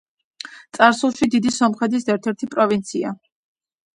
წარსულში დიდი სომხეთის ერთ-ერთი პროვინცია.